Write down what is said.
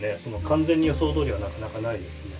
完全に予想どおりはなかなかないですね。